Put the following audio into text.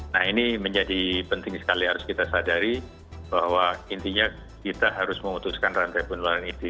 nah ini menjadi penting sekali harus kita sadari bahwa intinya kita harus memutuskan rantai penularan ini